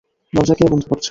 দরজা কে বন্ধ করছে?